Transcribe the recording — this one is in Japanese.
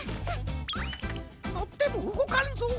のってもうごかんぞ。